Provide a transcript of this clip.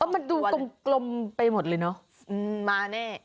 มันดูกลมไปหมดเลยเนาะ